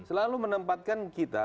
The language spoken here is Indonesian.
selalu menempatkan kita